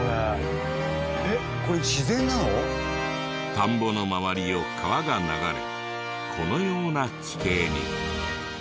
田んぼの周りを川が流れこのような地形に。